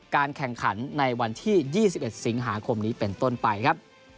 การแข่งขันในวันที่๒๑สิงหาคมนี้เป็นต้นไปครับ